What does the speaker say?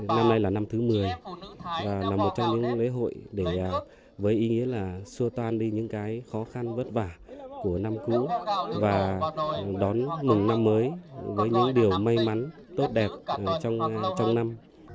năm nay là năm thứ một mươi và là một trong những lễ hội với ý nghĩa là xua tan đi những cái khó khăn vất vả của năm cũ và đón mừng năm mới với những điều may mắn tốt đẹp trong năm